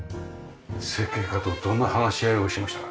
設計家とどんな話し合いをしましたか？